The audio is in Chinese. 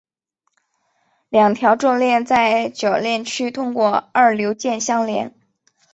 两条重链在铰链区通过二硫键相连。